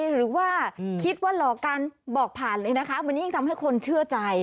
หรือว่าคิดว่าหลอกกันบอกผ่านเลยนะคะมันยิ่งทำให้คนเชื่อใจ